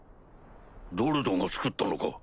ドルドが造ったのか？